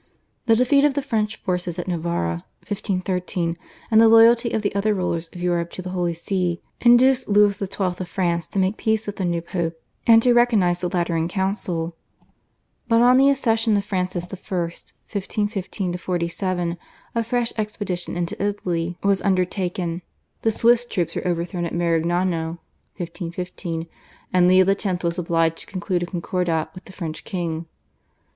The defeat of the French forces at Novara (1513), and the loyalty of the other rulers of Europe to the Holy See induced Louis XII. of France to make peace with the new Pope, and to recognise the Lateran Council. But on the accession of Francis I. (1515 47) a fresh expedition into Italy was undertaken; the Swiss troops were overthrown at Marignano (1515) and Leo X. was obliged to conclude a Concordat with the French King.